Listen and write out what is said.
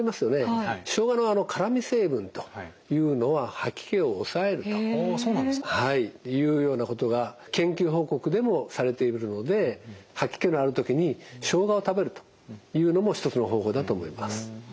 しょうがの辛み成分というのは吐き気を抑えるというようなことが研究報告でもされているので吐き気のある時にしょうがを食べるというのも一つの方法だと思います。